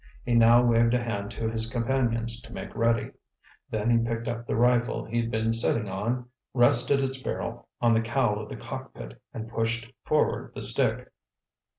He now waved a hand to his companions to make ready. Then he picked up the rifle he'd been sitting on, rested its barrel on the cowl of the cockpit and pushed forward the stick.